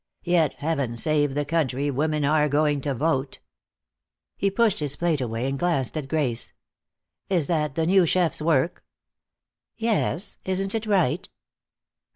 Yet, heaven save the country, women are going to vote!" He pushed his plate away and glanced at Grace. "Is that the new chef's work?" "Yes. Isn't it right?"